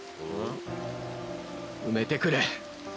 埋めてくれ。